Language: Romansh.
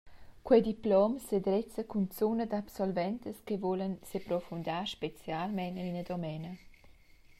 Quei diplom sedrezza cunzun ad absoventas che vulan seprofundar specialmein en ina domena.